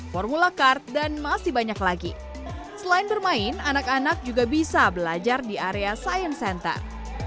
formula card dan masih banyak lagi selain bermain anak anak juga bisa belajar di area science center